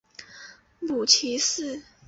母齐氏。